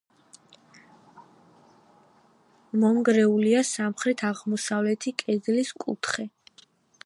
მონგრეულია სამხრეთ-აღმოსავლეთი კედლის კუთხე.